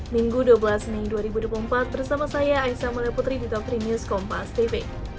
minggu dua belas mei dua ribu dua puluh empat bersama saya aisa mulai putri juga prime news kompas tv